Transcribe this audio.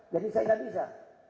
jadi saya gak bisa